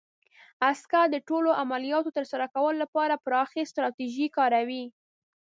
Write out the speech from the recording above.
عسکر د ټولو عملیاتو د ترسره کولو لپاره پراخې ستراتیژۍ کاروي.